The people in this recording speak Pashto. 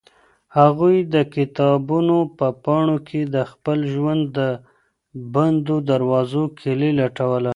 هغوی د کتابونو په پاڼو کې د خپل ژوند د بندو دروازو کیلي لټوله.